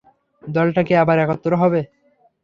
দলটা কি আবার একত্র হবে?